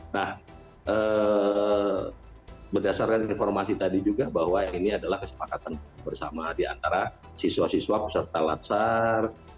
nah berdasarkan informasi tadi juga bahwa ini adalah kesepakatan bersama diantara siswa siswa peserta latsar